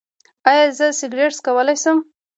ایا زه سګرټ څکولی شم؟